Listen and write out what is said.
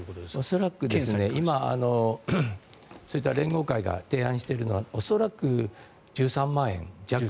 恐らくそういった連合会が提案しているのは恐らく、１３万円弱。